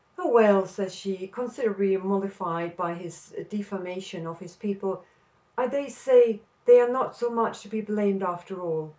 "Oh, well," says she, considerably mollified by his defamation of his people, "I dare say they are not so much to be blamed after all.